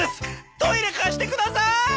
トイレ貸してくださーい！